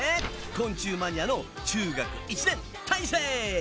昆虫マニアの中学１年たいせい！